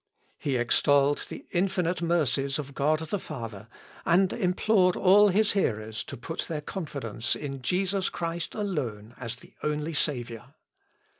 He extolled the infinite mercies of God the Father, and implored all his hearers to put their confidence in Jesus Christ alone as the only Saviour.